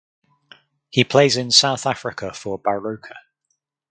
He plays in South Africa for Baroka.